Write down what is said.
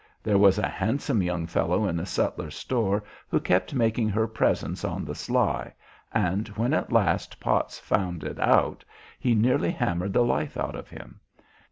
There was a handsome young fellow in the sutler's store who kept making her presents on the sly, and when at last Potts found it out he nearly hammered the life out of him.